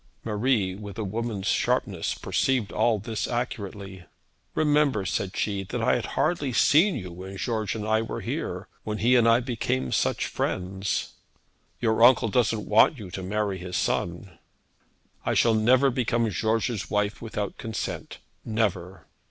Marie, with a woman's sharpness, perceived all this accurately. 'Remember,' said she, 'that I had hardly seen you when George and I were when he and I became such friends.' 'Your uncle doesn't want you to marry his son.' 'I shall never become George's wife without consent; never.'